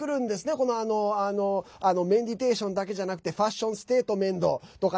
このメンディテーションだけじゃなくてファッションステートメンドとか。